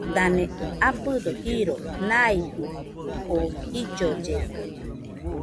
Dane abɨdo jiro naijɨ oo jillollena.